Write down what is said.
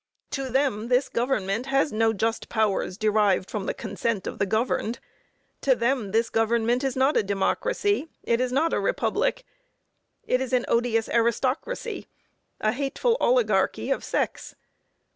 To them, this government has no just powers derived from the consent of the governed. To them this government is not a democracy. It is not a republic. It is an odious aristocracy; a hateful obligarchy of sex.